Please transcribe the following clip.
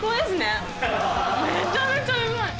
めちゃめちゃうまい！